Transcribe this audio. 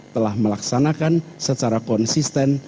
telah melaksanakan secara konsisten